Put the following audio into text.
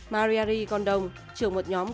mariari gondong trưởng một nhóm